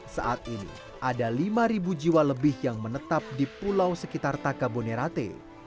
saat ini ada lima jiwa lebih yang menetap di pulau sekitar takabonerate